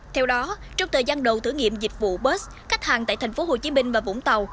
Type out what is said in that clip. theo đó trong thời gian đầu thử nghiệm dịch vụ bus khách hàng tại tp hcm và vũng tàu